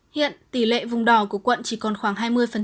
hiện tỷ lệ vùng đỏ của quận chỉ còn khoảng hai mươi